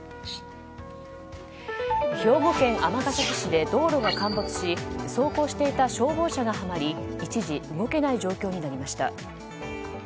兵庫県尼崎市で道路が陥没し走行していた消防車がはまり一時動けない状況になりました。